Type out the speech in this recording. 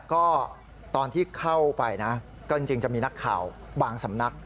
ก็ตอนที่เข้าไปนะก็จริงจะมีนักข่าวบางสำนัก